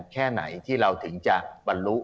แค่ไหนที่เราถึงจะบรรลุ